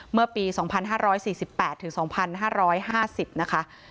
เมื่อปี๒๕๔๘๒๕๕๐นะคะ